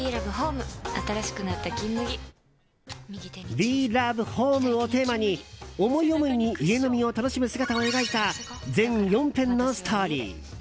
ＷｅＬｏｖｅＨｏｍｅをテーマに思い思いに家飲みを楽しむ姿を描いた全４編のストーリー。